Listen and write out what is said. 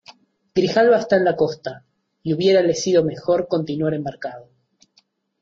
Grijalba está en la costa, y hubiérale sido mejor continuar embarcado.